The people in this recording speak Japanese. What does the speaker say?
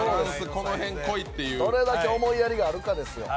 どれだけ思いやりがあるかですよ。